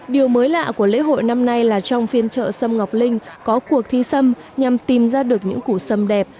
điều mới lạ của lễ hội năm nay là trong phiên chợ sâm ngọc linh có cuộc thi sâm nhằm tìm ra được những củ xâm đẹp